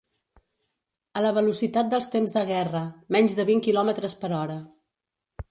A la velocitat dels temps de guerra: menys de vint quilòmetres per hora.